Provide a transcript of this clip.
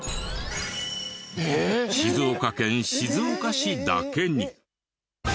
静岡県静岡市だけに。